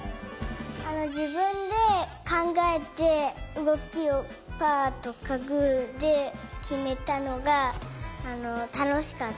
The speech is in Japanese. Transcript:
じぶんでかんがえてうごきをパーとかグーできめたのがたのしかった。